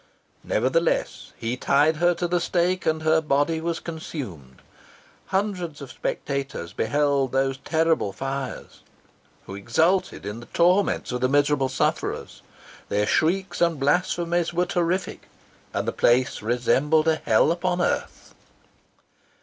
Nevertheless, he tied her to the stake, and her body was consumed. Hundreds of spectators beheld those terrible fires, and exulted in the torments of the miserable sufferers. Their shrieks and blasphemies were terrific, and the place resembled a hell upon earth.